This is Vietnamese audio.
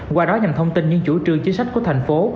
qua đó nhằm thông tin những chủ trương chính sách của thành phố